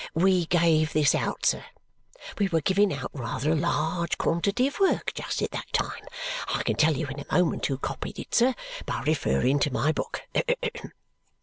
"We gave this out, sir. We were giving out rather a large quantity of work just at that time. I can tell you in a moment who copied it, sir, by referring to my book."